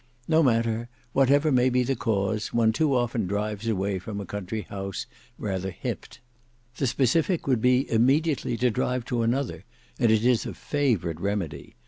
No matter, whatever may be the cause, one too often drives away from a country house, rather hipped. The specific would be immediately to drive to another, and it is a favourite remedy.